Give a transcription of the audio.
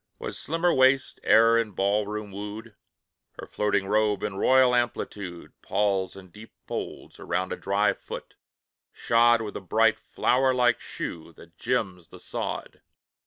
Was slimmer waist e'er in a ball room wooed? Her floating robe, in royal amplitude, Palls in deep folds around a dry foot, shod With a bright flower like shoe that gems the sod.